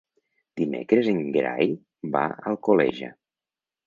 Dimecres en Gerai va a Alcoleja.